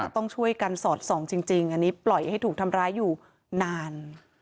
ต้องช่วยกันสอดส่องจริงอันนี้ปล่อยให้ถูกทำร้ายอยู่นาน